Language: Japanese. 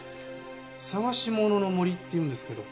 『さがしものの森』っていうんですけど。